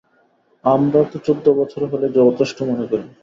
আমরা তো চোদ্দ বছর হলেই যথেষ্ট মনে করি!